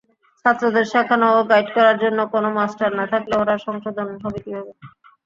ছাত্রদের শেখানো ও গাইড করার জন্য কোনো মাস্টার না থাকলে ওরা সংশোধন হবে কীভাবে?